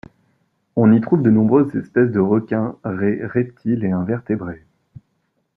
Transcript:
On y trouve de nombreuses espèces de requins, raies, reptiles et invertébrés.